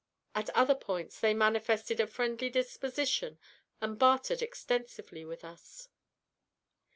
At other points they manifested a friendly disposition and bartered extensively with us.